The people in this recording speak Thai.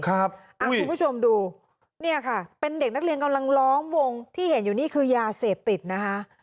คุณผู้ชมดูเนี่ยค่ะเป็นเด็กนักเรียนกำลังล้อมวงที่เห็นอยู่นี่คือยาเสพติดนะคะ